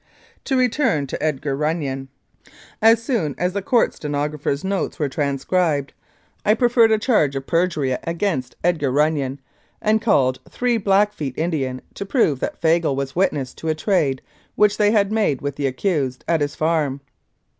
To return to Edgar Runnion. As soon as the court T 297 Mounted Police Life in Canada stenographer's notes were transcribed, I preferred a charge of perjury against Edgar Runnion, and called three Blackfeet Indians to prove that Fagle was witness to a trade which they had made with the accused at his farm.